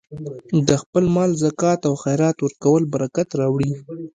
د خپل مال زکات او خیرات ورکول برکت راوړي.